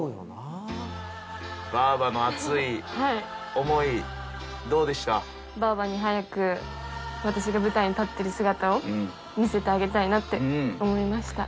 ばあばに早く、私が舞台に立ってる姿を見せてあげたいなって思いました。